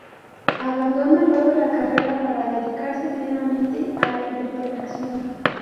Abandona luego la carrera para dedicarse plenamente a la interpretación.